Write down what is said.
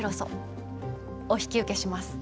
お引き受けします。